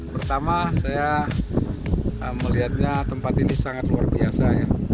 pertama saya melihatnya tempat ini sangat luar biasa